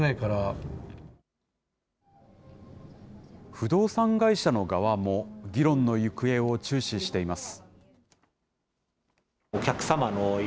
不動産会社の側も、議論の行方を注視しています。